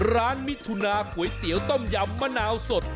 มิถุนาก๋วยเตี๋ยวต้มยำมะนาวสด